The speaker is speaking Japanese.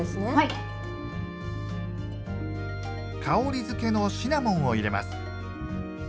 香りづけのシナモンを入れます。